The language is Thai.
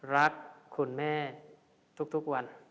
รักคุณแม่ทุกวัน